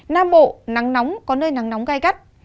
nam bộ nắng nóng có nơi nắng nóng cay cắt